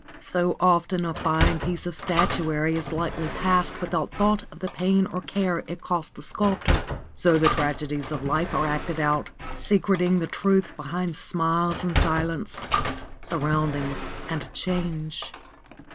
So often a fine piece of statuary is lightly passed without thought of the pain or care it cost the sculptor. So the tragedies of life are acted out, secreting the truth beneath smiles and silence, surroundings and change.